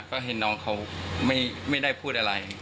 ก็เห็นน้องเขาไม่ได้พูดอะไร